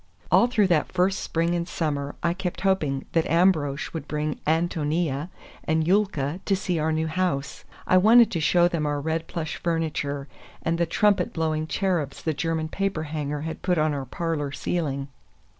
All through that first spring and summer I kept hoping that Ambrosch would bring Ántonia and Yulka to see our new house. I wanted to show them our red plush furniture, and the trumpet blowing cherubs the German paper hanger had put on our parlor ceiling.